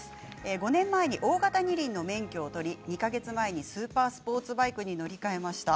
５年前に大型２輪の免許を取り２か月前に、スーパースポーツバイクに乗り替えました。